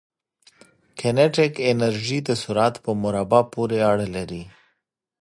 کینیتیک انرژي د سرعت په مربع پورې اړه لري.